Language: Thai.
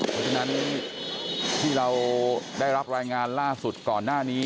คุณพุริพัทธิ์ที่เราได้รับรายงานล่าสุดก่อนหน้านี้